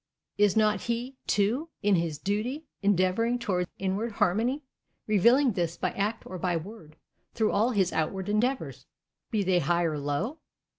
Is not he, too, in his duty; endeavouring towards inward Harmony; revealing this, by act or by word, through all his outward endeavours, be they high or low?